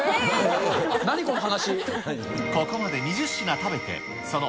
何、この話。